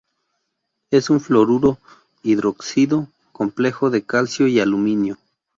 Es un fluoruro hidróxido complejo de calcio y aluminio.